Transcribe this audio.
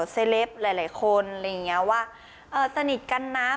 เซเลปหลายคนสนิทกันน้ำ